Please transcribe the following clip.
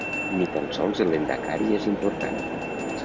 Ni tan sols el lehendakari és important.